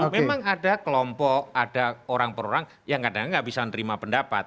memang ada kelompok ada orang per orang yang kadang kadang nggak bisa menerima pendapat